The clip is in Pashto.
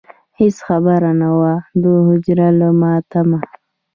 هېڅ خبر نه وم د هجر له ماتمه.